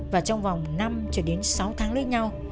và trong vòng năm cho đến sáu tháng lấy nhau